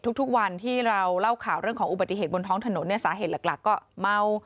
ทุกวันที่เราเล่าข่าวเรื่องของอุบัติเหตุบนท้องถนนเนี่ยสาเหตุหลักก็เมา